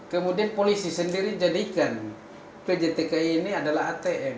kemudian polisi sendiri jadikan pjtki ini adalah atm